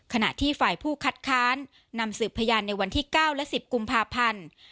ขณะที่ฝ่ายผู้คัดค้านนำสืบพยานในวันที่๙และ๑๐กุมภาพันธ์